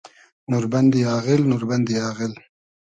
نوربئندی آغیل ، نوربئندی آغیل